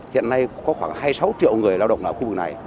hiện nay có khoảng hai mươi sáu triệu người lao động ở khu vực này